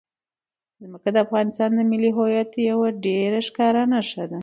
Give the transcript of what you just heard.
ځمکه د افغانستان د ملي هویت یوه ډېره ښکاره نښه ده.